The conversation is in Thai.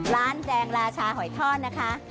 ร้านแดงราชาหอยทอดนะคะ